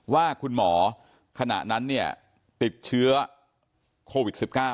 ว่าคุณหมอขณะนั้นเนี่ยติดเชื้อโควิด๑๙